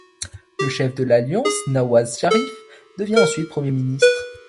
Le chef de l'alliance, Nawaz Sharif, devient ensuite Premier ministre.